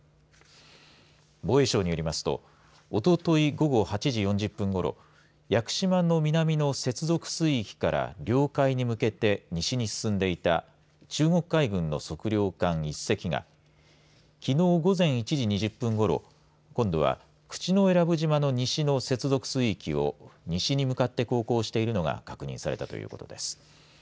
防衛省によりますとおととい午後８時４０分ごろ屋久島の南の接続水域から領海に向けて西に進んでいた中国海軍の測量艦１隻がきのう午前１時２０分ごろ今度は口永良部島の西の接続水域を西に向かって航行しているのが確認されたということです。